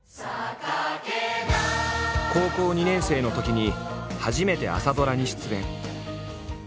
高校２年生のときに初めて朝ドラに出演。